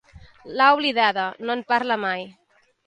L'ha oblidada, no en parla mai.